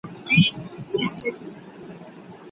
که زده کوونکي پر کاغذ ولیکي نو سترګې یې نه ستړي کیږي.